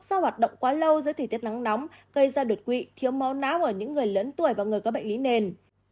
do hoạt động quá lâu giữa thời tiết nắng nóng gây ra đột quỵ thiếu máu não ở những người lớn tuổi và người có bệnh lý nền